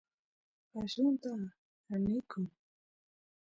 qallunta kanikun